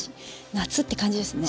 夏って感じですね。